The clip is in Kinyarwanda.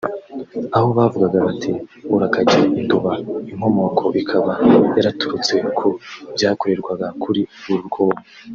aho bavugaga bati “Urakajya i Nduba” inkomoko ikaba yaraturutse ku byakorerwaga kuri uru rwobo